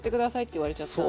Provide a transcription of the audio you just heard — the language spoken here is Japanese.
言われちゃったんで。